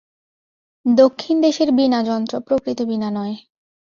দক্ষিণদেশের বীণাযন্ত্র প্রকৃত বীণা নয়।